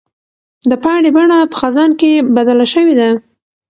د پاڼې بڼه په خزان کې بدله شوې ده.